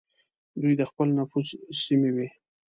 دوی د خپل نفوذ سیمې وې.